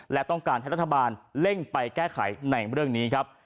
และต้องการให้รัฐบาลเร่งไปแก้ไขในเรื่องนี้ครับ